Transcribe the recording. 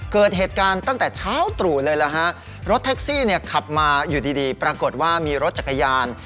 เกิดเหตุการณ์ตั้งแต่เช้าตรู่เลยละฮะรถแท็กซี่เนี่ยขับมาอยู่ดีดีปรากฏว่ามีรถจักรยาน